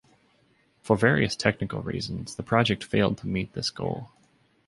For various technical reasons the project failed to meet this goal.